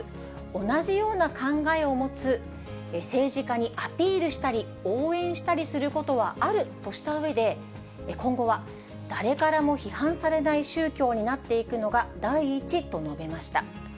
同じような考えを持つ政治家にアピールしたり、応援したりすることはあるとしたうえで、今後は誰からも批判されない宗教になっていくのが第一と述べました。